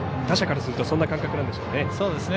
打者からするとそんな感覚なんでしょうかね。